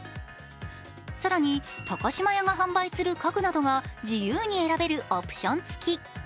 更に、高島屋が販売する家具などが自由に選べるオプションつき。